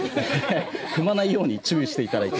踏まないように注意していただいて。